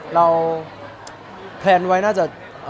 แพลนไว้น่าจะ